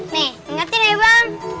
nih ingetin ya bang